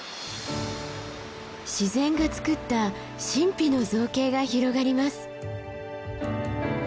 自然がつくった神秘の造形が広がります。